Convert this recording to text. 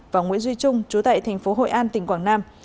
và nguyễn duy trung chú tệ tp hội an tp quảng nam